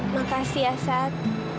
makasih ya sat